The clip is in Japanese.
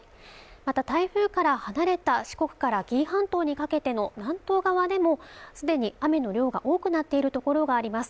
また台風から離れた四国から紀伊半島にかけての南東側でもすでに雨の量が多くなっているところがあります